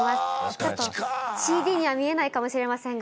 ちょっとＣＤには見えないかもしれませんが。